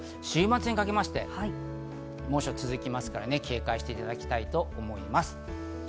週末にかけまして猛暑が続きますから警戒していただきたいと思います。